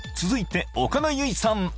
続いて岡田結実さん